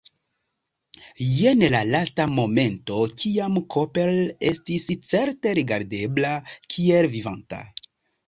Jen la lasta momento, kiam Cooper estis certe rigardebla kiel vivanta.